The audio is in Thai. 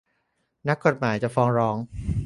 นักกฎหมายจะฟ้องร้อง